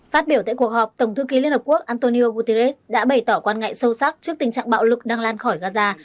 phát biểu tại cuộc họp tổng thư ký liên hợp quốc antonio guterres đã bày tỏ quan ngại sâu sắc trước tình trạng bạo lực đang lan khỏi gaza